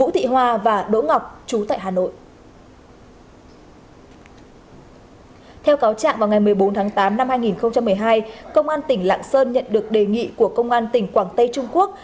bốn tháng tám năm hai nghìn một mươi hai công an tỉnh lạng sơn nhận được đề nghị của công an tỉnh quảng tây trung quốc